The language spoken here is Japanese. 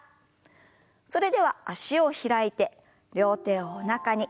それでは脚を開いて両手をおなかに。